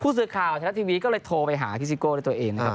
สื่อข่าวไทยรัฐทีวีก็เลยโทรไปหาพี่ซิโก้ด้วยตัวเองนะครับ